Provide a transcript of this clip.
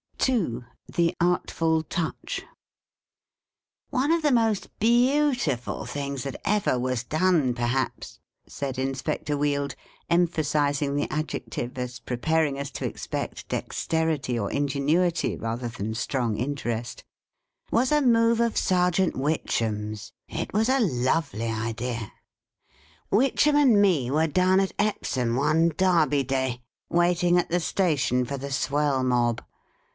II. THE ARTFUL TOUCH. " One of the most beautiful things that ever was done, perhaps," said Inspector Wield, em phasising the. adjective, as preparing us to expect dexterity or ingenuity rather than strong interest, "was a move of Serjeant Witchem's. It was a lovely idea !" Witchem and me were down at Epsom one Derby Day, waiting at the station for the Swell Mob.